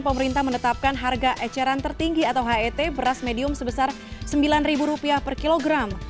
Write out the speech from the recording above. pemerintah menetapkan harga eceran tertinggi atau het beras medium sebesar rp sembilan per kilogram